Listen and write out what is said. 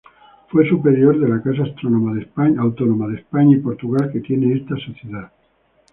Fue superior de la casa autónoma de España y Portugal que tiene esta Sociedad.